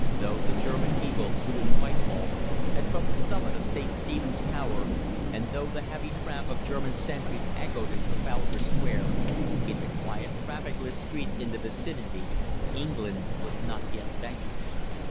Though the German eagle flew in Whitehall and from the summit of St. Stephen's Tower, and though the heavy tramp of German sentries echoed in Trafalgar Square, in the quiet, trafficless streets in the vicinity, England was not yet vanquished.